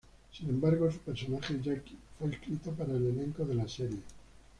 Sin embargo, su personaje, Jacqui, fue escrito para el elenco de la serie.